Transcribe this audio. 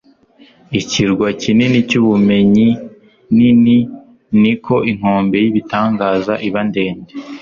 ikirwa kinini cy'ubumenyi nini, niko inkombe y'ibitangaza iba ndende